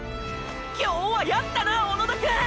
今日はやったな小野田くん！！